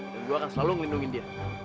dan gua akan selalu ngelindungin dia